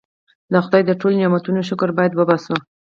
د خدای د ټولو نعمتونو شکر باید وباسو.